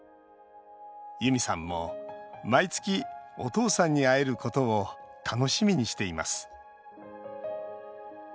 ユミさんも毎月お父さんに会えることを楽しみにしています。